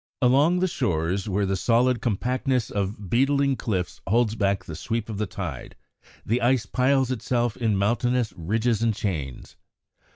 Along the shores, where the solid compactness of beetling cliffs holds back the sweep of the tide, the ice piles itself in mountainous ridges and chains.